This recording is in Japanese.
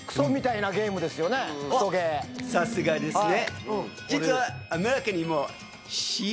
さすがですね。